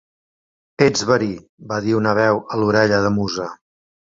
"Ets verí!", va dir una veu a l'orella de Musa.